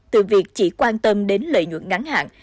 từ việc chỉ quan tâm đến lợi nhuận ngắn hạn